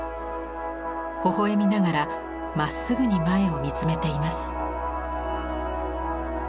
ほほ笑みながらまっすぐに前を見つめています。